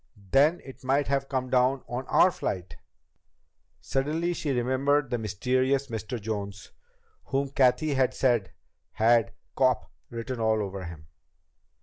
"Then it might have come down on our flight!" Suddenly she remembered the mysterious Mr. Jones, whom Cathy had said had "cop" written all over him.